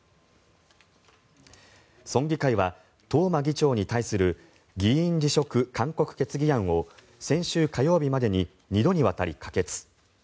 村議会は東間議長に対する議員辞職勧告決議案を先週火曜日までに２度にわたり可決。